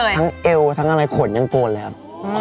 ทั้งเอ็วทั้งอะไรขนยังโกนเลย